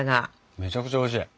めちゃくちゃおいしい。